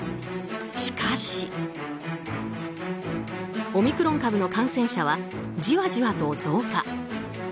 しかし、オミクロン株の感染者はじわじわと増加。